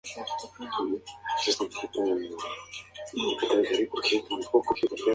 El oficial nació en Pacho y creció en La Peña.